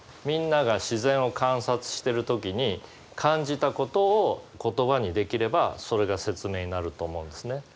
みんなが自然を観察してる時に感じたことを言葉にできればそれが説明になると思うんですね。